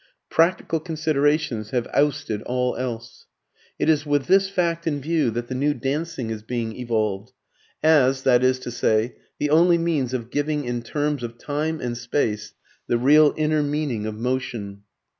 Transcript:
Practical considerations have ousted all else. It is with this fact in view that the new dancing is being evolved as, that is to say, the only means of giving in terms of time and space the real inner meaning of motion.